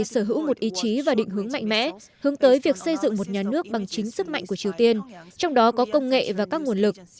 bài xã luận của triều tiên sở hữu một ý chí và định hướng mạnh mẽ hướng tới việc xây dựng một nhà nước bằng chính sức mạnh của triều tiên trong đó có công nghệ và các nguồn lực